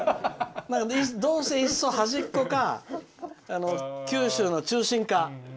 どうせ、いっそ端っこか九州の中心か。